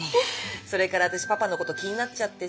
それから私パパのこと気になっちゃってさ。